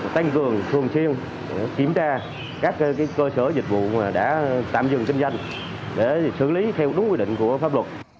tăng cường thường xuyên kiểm tra các cơ sở dịch vụ đã tạm dừng kinh doanh để xử lý theo đúng quy định của pháp luật